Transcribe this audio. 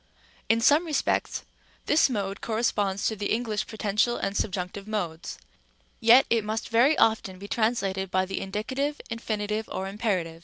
Rem. ὃ. In some respects, this mode corresponds to the English poten tial and subjunctive modes ; yet it must very often be translated by the indicative, infinitive, or imperative.